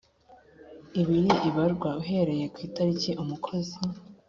ibiri ibarwa uhereye ku itariki umukozi